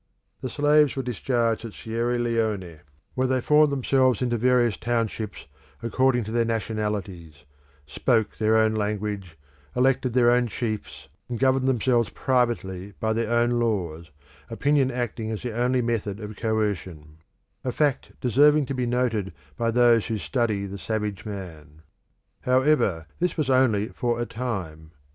The slaves were discharged at Sierra Leone, where they formed themselves into various townships according to their nationalities, spoke their own language, elected their own chiefs, and governed themselves privately by their own laws, opinion acting as the only method of coercion a fact deserving to be noted by those who study savage man. However, this was only for a time.